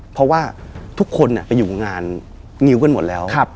เพราะว่าทุกคนไปอยู่งานงิ้วกันหมดแล้ว